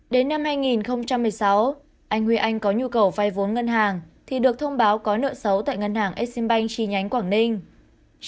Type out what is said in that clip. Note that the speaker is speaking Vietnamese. đến năm hai nghìn một mươi sáu anh huy anh có nhu cầu vay vốn ngân hàng thì được thông báo có nợ xấu tại ngân hàng exim bank chi nhánh quảng ninh